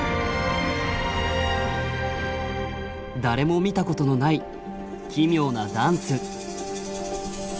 誰も見たことのない奇妙なダンス。